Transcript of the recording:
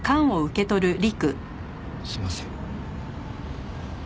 すいません。